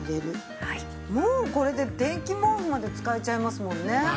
もうこれで電気毛布まで使えちゃいますもんね。